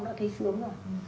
đã thấy sướng rồi